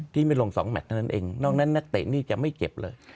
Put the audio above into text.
ที่ไม่ลง๒แมทเท่านั้นเองนอกนั้นนักเตะนี่จะไม่เจ็บเลย